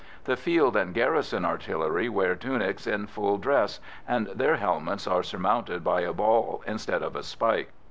The Field and Garrison Artillery wear tunics in full dress, and their helmets are surmounted by a ball instead of a spike.